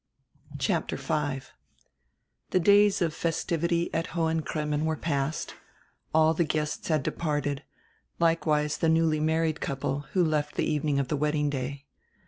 CHAPTER V THE days of festivity at Hohen Cremmen were past; all the guests had departed, likewise the newly married couple, who left the evening of the wedding day.